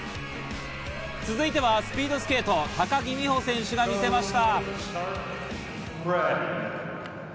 続いてはスピードスケート・高木美帆選手が魅せました。